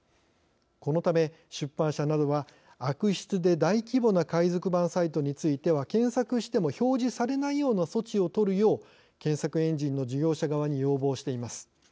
このため、出版社などは、悪質で大規模な海賊版サイトについては検索しても表示されないような措置をとるよう検索エンジンの事業者側に要望しています。